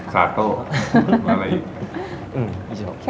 สาโต้อะไรอีก